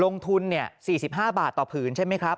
ลงทุน๔๕บาทต่อผืนใช่ไหมครับ